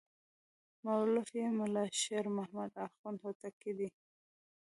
مؤلف یې ملا شیر محمد اخوند هوتکی دی.